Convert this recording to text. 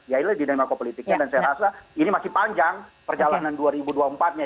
ya inilah dinamika politiknya dan saya rasa ini masih panjang perjalanan dua ribu dua puluh empat nya